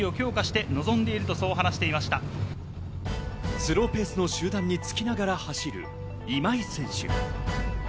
スローペースの集団につきながら走る今井選手。